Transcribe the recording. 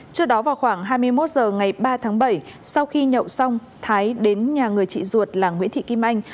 trước đó vào khoảng hai mươi một h ngày ba tháng bảy sau khi nhậu xong thái đến nhà người chị ruột là nguyễn thị kim anh